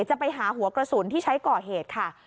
จะไปหาหัวกระสุนที่ใช้ก่อเหตุค่ะ